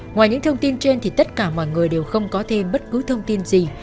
ngoài những thông tin trên thì tất cả mọi người đều không có thêm bất cứ thông tin gì